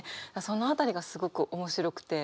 その辺りがすごく面白くて。